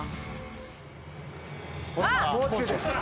もう中です。